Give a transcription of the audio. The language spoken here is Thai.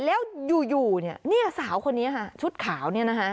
แล้วอยู่นี่สาวคนนี้ชุดขาว